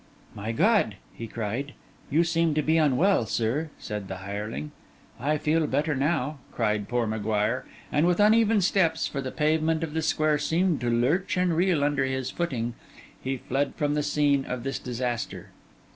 'My God!' he cried. 'You seem to be unwell, sir,' said the hireling. 'I feel better now,' cried poor M'Guire: and with uneven steps, for the pavement of the square seemed to lurch and reel under his footing, he fled from the scene of this disaster.